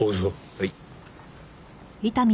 はい。